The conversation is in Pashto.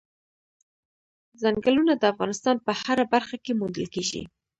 ځنګلونه د افغانستان په هره برخه کې موندل کېږي.